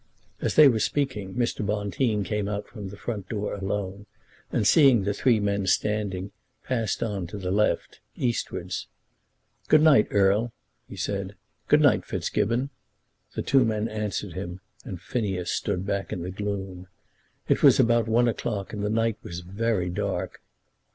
As they were speaking Mr. Bonteen came out from the front door alone, and seeing the three men standing, passed on towards the left, eastwards. "Good night, Erle," he said. "Good night, Fitzgibbon." The two men answered him, and Phineas stood back in the gloom. It was about one o'clock and the night was very dark.